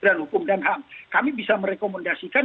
dan hukum dan hak kami bisa merekomendasikan